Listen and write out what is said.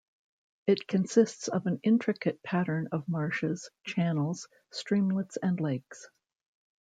It consists of an intricate pattern of marshes, channels, streamlets and lakes.